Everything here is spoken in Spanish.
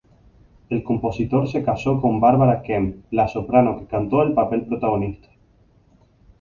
El compositor se casó con Barbara Kemp, la soprano que cantó el papel protagonista.